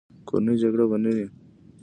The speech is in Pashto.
کورنۍ جګړې به نه وې.